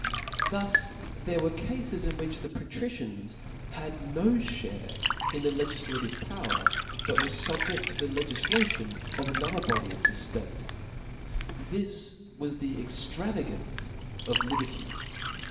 Thus there were cafes in which the patricians * had no (hare in the legif* lative poW^r, but f were fubjedt to the Icgiflation of another body of the ftate. This was the ex<^ travagance of liberty.